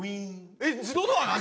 えっ自動ドアなん？